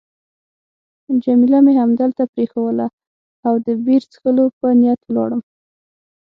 جميله مې همدلته پرېښووله او د بیر څښلو په نیت ولاړم.